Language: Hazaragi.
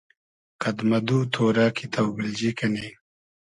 قئد مۂ دو تۉرۂ کی تۆبیلجی کئنی